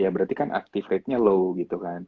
berarti kan active rate nya low gitu kan